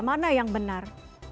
mana yang benar